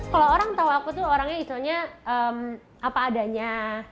kalau orang tau aku tuh orangnya istilahnya apa adanya